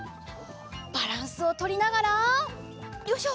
バランスをとりながらよいしょ。